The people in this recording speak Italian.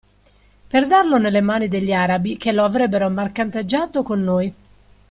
Per darlo nelle mani degli arabi che lo avrebbero mercanteggiato con noi.